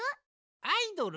アイドル？